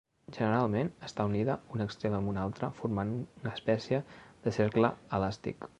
Generalment està unida un extrem amb un altre formant una espècie de cercle elàstic.